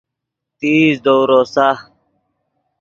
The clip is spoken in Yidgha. تیز دؤ روسا